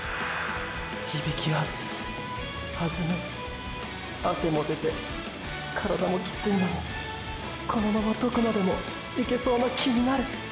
響きあう弾む汗も出て体もキツいのにこのままどこまでもいけそうな気になる！！